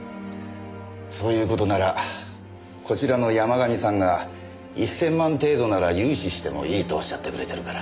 そういう事ならこちらの山神さんが１０００万程度なら融資してもいいとおっしゃってくれてるから。